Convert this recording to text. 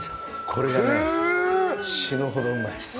これがね、死ぬほどうまいっす。